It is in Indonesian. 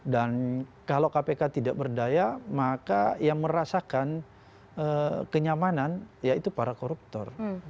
dan kalau kpk tidak berdaya maka yang merasakan kenyamanan yaitu para koruptor